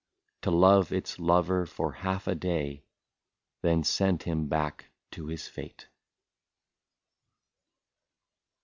To love its lover for half a day, Then send him back to his^fate.